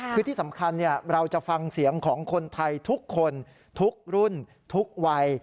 คือที่สำคัญเราจะฟังเสียงของคนไทยทุกคนทุกรุ่นทุกวัย